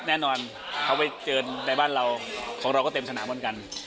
แน่นอนเขาไปเจอในบ้านเราของเราก็เต็มสนามเหมือนกัน